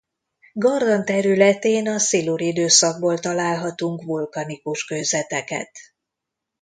Garran területén a szilur időszakból találhatunk vulkanikus kőzeteket.